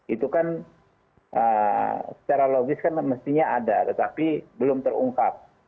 itu kan secara logis kan mestinya ada tetapi belum terungkap